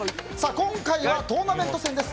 今回はトーナメント戦です。